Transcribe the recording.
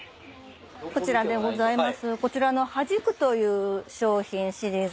こちらでございます。